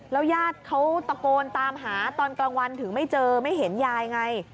ญาติเขาตะโกนตามหาตอนกลางวันถึงไม่เจอไม่เห็นยายไง